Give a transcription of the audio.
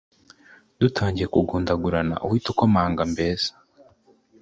dutangiye kugundagurana uhite ukomanga mbese